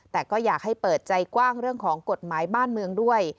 แต่ก็อยากให้เปิดใจกว้างเรื่องของกฎหมายบ้านเมืองด้วย